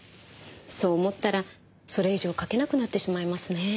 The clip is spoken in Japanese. そう思ったらそれ以上書けなくなってしまいますね。